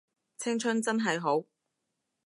青春真係好